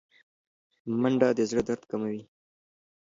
منډه د زړه درد کموي